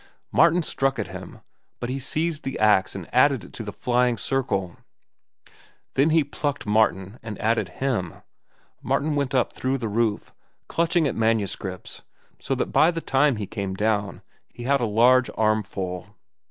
Martin struck at him, but he seized the axe and added it to the flying circle. Then he plucked Martin and added him. Martin went up through the roof, clutching at manuscripts, so that by the time he came down he had a large armful.